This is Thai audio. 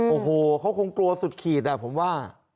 โอ้โหเขาคงกลัวสุดขีดผมว่า